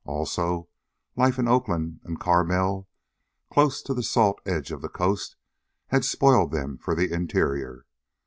Also, life in Oakland and Carmel, close to the salt edge of the coast, had spoiled them for the interior.